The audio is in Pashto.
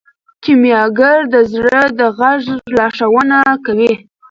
کیمیاګر د زړه د غږ لارښوونه کوي.